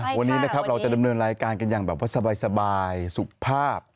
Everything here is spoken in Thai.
วันนี้นะครับเราจะดำเนินรายการกันอย่างแบบว่าสบายสุขภาพ